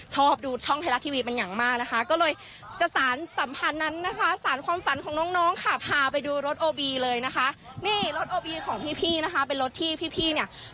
ชอบดูท่องไทยรัสทีวีปัญหามากนะคะก็เลยจะสารสัมพันธ์นั้นนะคะ